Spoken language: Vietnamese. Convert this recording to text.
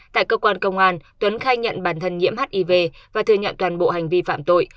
tại cơ quan công an tuấn khai nhận bản thân nhiễm hiv và thừa nhận toàn bộ hành vi phạm tội